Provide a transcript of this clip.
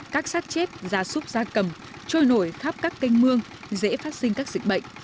các sát chết da súc da cầm trôi nổi khắp các canh mương dễ phát sinh các dịch bệnh